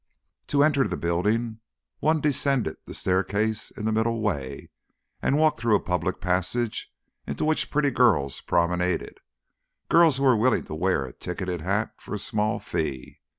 To enter the building one descended the staircase in the middle way and walked through a public passage in which pretty girls promenaded, girls who were willing to wear a ticketed hat for a small fee.